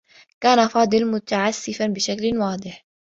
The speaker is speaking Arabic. كان فاضل متعسّفا بشكل واضح.